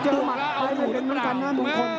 โดนแล้วเอาหนูด้วยกันนะ